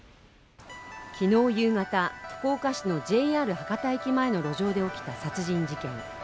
昨日夕方、福岡市のＪＲ博多駅前の路上で起きた殺人事件。